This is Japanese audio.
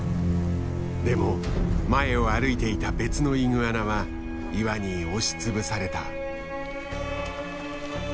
でも前を歩いていた別のイグアナは岩に押し潰された。